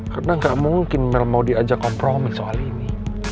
karena gak mungkin mel mau diajak kompromi soal ini